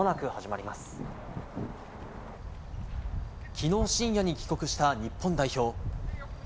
昨日深夜に帰国した日本代表。